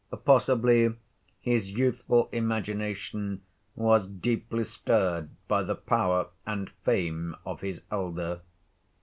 Possibly his youthful imagination was deeply stirred by the power and fame of his elder.